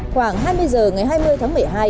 khoảng hai mươi h ngày hai mươi tháng một mươi hai